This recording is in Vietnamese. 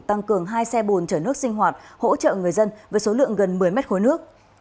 tăng cường hai xe bồn chở nước sinh hoạt hỗ trợ người dân với số lượng gần một mươi mét khối nước